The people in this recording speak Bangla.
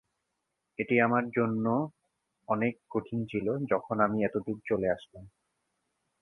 এটি আমার জন্যও অনেক কঠিন ছিলো যখন আমি এতদূরে চলে আসলাম।